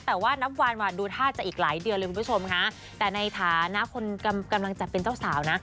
แต่ว่านับวันดูท่าจะอีกหลายเดือนเลยคุณผู้ชมค่ะแต่ในฐานะคนกำลังจะเป็นเจ้าสาวนะ